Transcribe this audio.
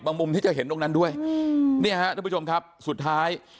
มุมที่จะเห็นตรงนั้นด้วยอืมเนี่ยฮะทุกผู้ชมครับสุดท้าย